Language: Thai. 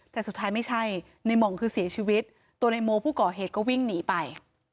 แต่สุดท้ายไม่ใช่ในหม่องคือเสียชีวิตตัวในโมผู้ก่อเหตุก็วิ่งหนีไป